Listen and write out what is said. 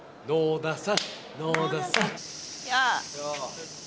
どうだ？